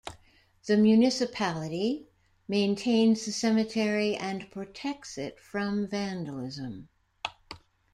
The municipality maintains the cemetery and protects it from vandalism.